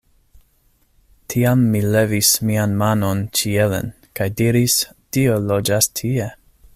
Tiam mi levis mian manon ĉielen, kaj diris, Dio loĝas tie.